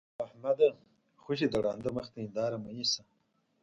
احمده! خوشې د ړانده مخ ته هېنداره مه نيسه.